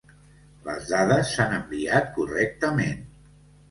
Les dades s'han enviat correctament.